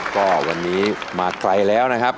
ก็วันนี้มาไกลแล้วนะครับ